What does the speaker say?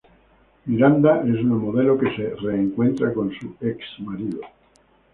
Miranda es una modelo que se re-encuentra con su exmarido.